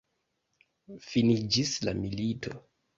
Finiĝis la milito!